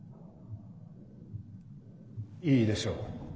いいでしょう。